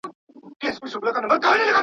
ایا ملي بڼوال وچه میوه پروسس کوي؟